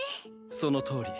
そのとおり。